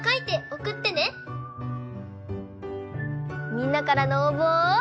みんなからのおうぼを。